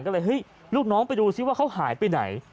ก็เลยเฮ้ยลูกน้องไปดูซิว่าเขาหายไปไหน